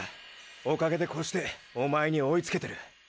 おかげでこうしておまえに追いつけてる。